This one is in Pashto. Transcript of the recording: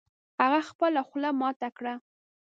هغه خپله خوله ماته کړه